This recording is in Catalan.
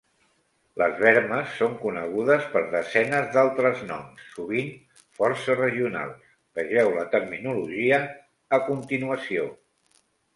Les bermes són conegudes per desenes d'altres noms, sovint força regionals; vegeu la Terminologia, a continuació.